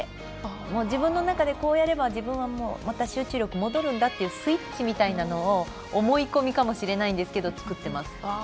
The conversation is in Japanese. もう自分の中でこうやれば自分はまた集中力が戻るんだというスイッチみたいなのを思い込みかもしれないんですけど作ってます。